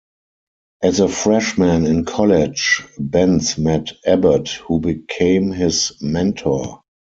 As a freshman in college, Bentz met Abbott who became his mentor.